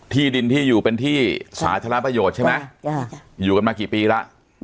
ที่ดินที่อยู่เป็นที่สาธารณประโยชน์ใช่ไหมอยู่กันมากี่ปีแล้ว